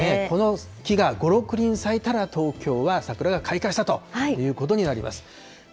この木が５、６輪咲いたら東京は桜が開花したということになります。